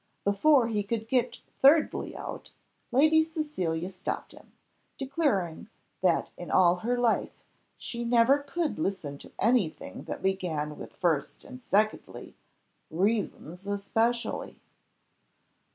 Before he could get thirdly out, Lady Cecilia stopped him, declaring that in all her life she never could listen to any thing that began with first and secondly reasons especially.